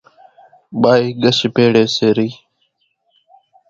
ٻائِي ڳش ڀيڙيَ سي رئِي۔